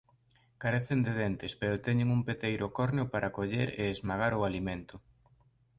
Carecen de dentes pero teñen un peteiro córneo para coller e esmagar o alimento.